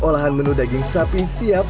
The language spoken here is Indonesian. olahan menu daging sapi siap